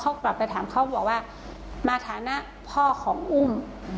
เขากลับไปถามเขาบอกว่ามาฐานะพ่อของอุ้ม